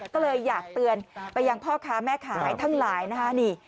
ก็เลยอยากเตือนไปยังพ่อค้าแม่ขายทั้งหลายนะคะ